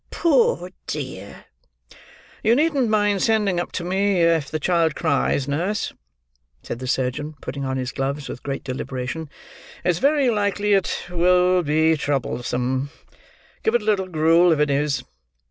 "Poor dear!" "You needn't mind sending up to me, if the child cries, nurse," said the surgeon, putting on his gloves with great deliberation. "It's very likely it will be troublesome. Give it a little gruel if it is."